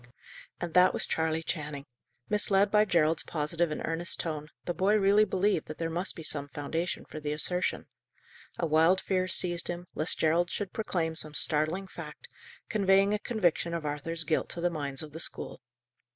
And that was Charley Channing. Misled by Gerald's positive and earnest tone, the boy really believed that there must be some foundation for the assertion. A wild fear seized him, lest Gerald should proclaim some startling fact, conveying a conviction of Arthur's guilt to the minds of the school.